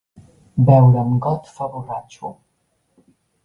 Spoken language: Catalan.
Beure amb got fa borratxo.